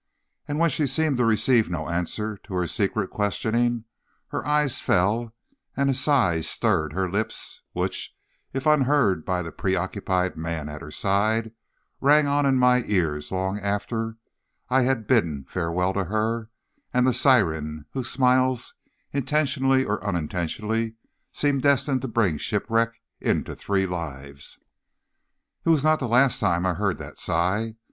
And when she seemed to receive no answer to her secret questioning, her eyes fell and a sigh stirred her lips, which, if unheard by the preoccupied man at her side, rang on in my ears long after I had bidden farewell to her and the siren whose smiles, intentionally or unintentionally, seemed destined to bring shipwreck into three lives. "It was not the last time I heard that sigh.